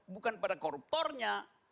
bukan pada koruptornya